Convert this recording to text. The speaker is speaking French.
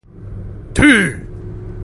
Tue!